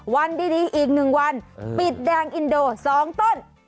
วันดีอีก๑วันปิดแดงอินโด๒ต้น